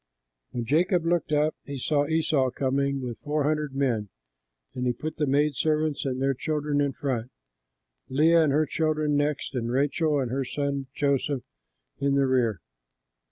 When Jacob looked up, he saw Esau coming with four hundred men. And he put the maid servants and their children in front, Leah and her children next, and Rachel and her son Joseph in the rear.